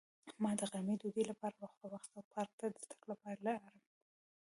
ما د غرمې ډوډۍ لپاره وقفه واخیسته او پارک ته د تګ لپاره لاړم.